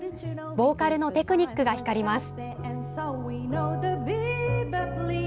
ボーカルのテクニックが光ります。